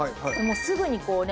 すぐにこうね